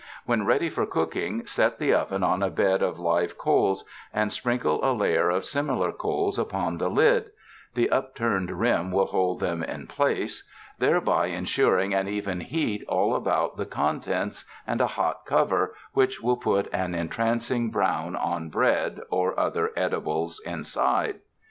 When ready for cooking, set the oven on a bed of live coals, and sprinkle a layer of similar coals upon the lid — the upturned rim will hold them in place— 295 UNDER THE SKY IN CALIFORNIA thereby ensuring an even heat all about the con tents and a hot cover, which will put an entrancing brown on bread or other edibles inside.